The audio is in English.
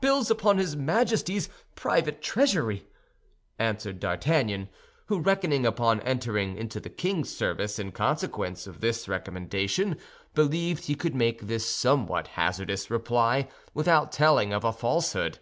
"Bills upon his Majesty's private treasury," answered D'Artagnan, who, reckoning upon entering into the king's service in consequence of this recommendation, believed he could make this somewhat hazardous reply without telling of a falsehood.